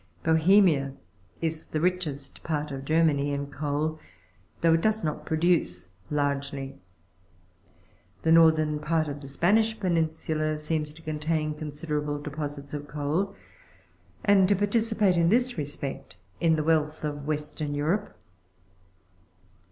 Bohemia is the richest part of Germany in coal, although it does not produce largely. The northern part of the Spanish peninsula seems to contain considerable deposites of coal, and to participate, in this respect, in the wealth of Western Europe.